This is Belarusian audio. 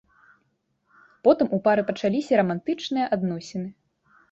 Потым у пары пачаліся рамантычныя адносіны.